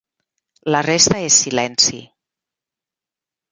La resta és silenci.